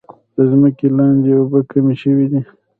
د ځمکې لاندې اوبه کمې شوي دي.